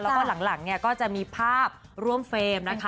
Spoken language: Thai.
แล้วก็หลังเนี่ยก็จะมีภาพร่วมเฟรมนะคะ